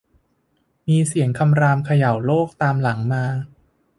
มีเสียงคำรามเขย่าโลกตามหลังมา